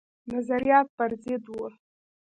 نظریات پر ضد وه.